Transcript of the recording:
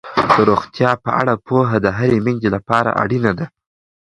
د روغتیا په اړه پوهه د هرې میندې لپاره اړینه ده.